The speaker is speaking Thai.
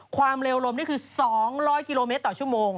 ความเร็วลมนี่คือ๒๐๐กิโลเมตรต่อชั่วโมง